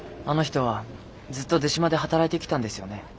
あの人はずっと出島で働いてきたんですよね？